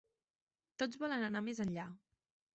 Tots volen anar més enllà.